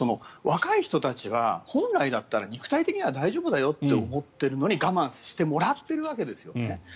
若い人たちは本来だったら肉体的には大丈夫だよって思っているのに我慢してもらってるわけですよね。